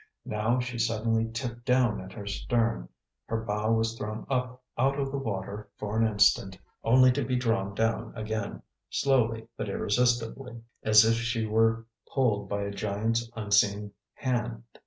Now she suddenly tipped down at her stern; her bow was thrown up out of the water for an instant, only to be drawn down again, slowly but irresistibly, as if she were pulled by a giant's unseen hand.